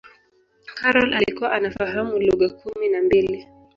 karol alikuwa anafahamu lugha kumi na mbili